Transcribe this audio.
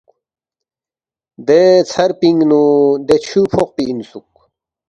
دے ژھر پِنگ نُو دے چُھو فوقپی اِنسُوک